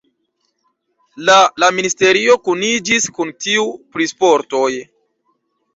La la ministerio kuniĝis kun tiu pri sportoj.